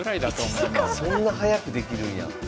そんな早くできるんや。